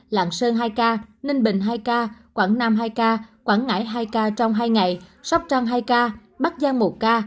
lạng sơn hai ca ninh bình hai ca quảng nam hai ca quảng ngãi hai ca trong hai ngày sóc trăng hai ca bắc giang một ca